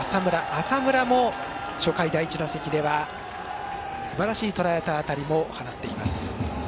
浅村も初回、第１打席ではすばらしい、とらえた当たりも放っています。